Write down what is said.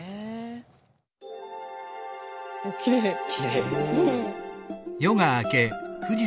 きれい。